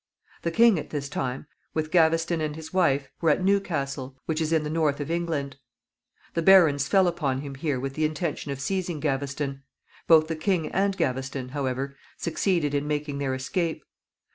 The king at this time, with Gaveston and his wife, were at Newcastle, which is in the north of England. The barons fell upon him here with the intention of seizing Gaveston. Both the king and Gaveston, however, succeeded in making their escape.